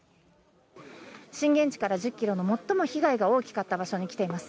震源地から１０キロの最も被害が大きかった場所に来ています。